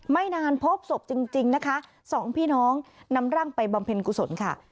ไม่นานพบศพจริงจริงนะคะสองพี่น้องนำร่างไปบำเพ็ญกุศลค่ะ